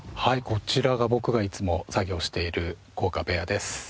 こちらが僕がいつも作業をしている効果部屋です。